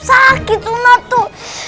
sakit sunat tuh